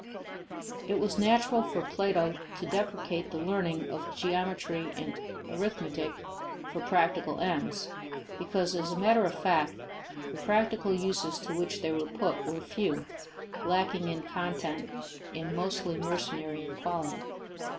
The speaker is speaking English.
It was natural for Plato to deprecate the learning of geometry and arithmetic for practical ends, because as matter of fact the practical uses to which they were put were few, lacking in content and mostly mercenary in quality.